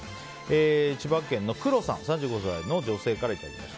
千葉県の３５歳の女性からいただきました。